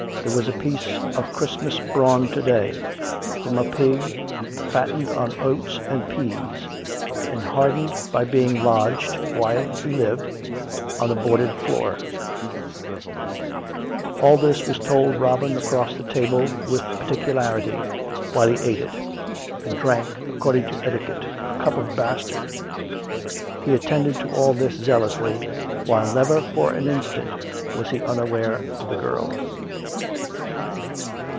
There was a piece of Christmas brawn to day, from a pig fattened on oats and peas, and hardened by being lodged (while he lived) on a boarded floor; all this was told Robin across the table with par ticularity, while he ate it, and drank, according to etiquette, a cup of bastard. He attended to all this zealously, while never for an instant was he unaware of the girl.